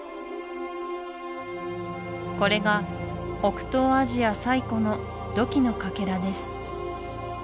これが北東アジア最古の土器のかけらです